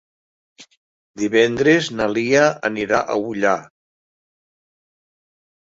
Divendres na Lia anirà a Ullà.